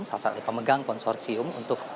salah satu pemegang konsorsium untuk